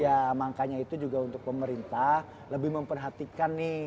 ya makanya itu juga untuk pemerintah lebih memperhatikan nih